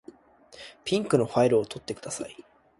ピンクのファイルを取ってください。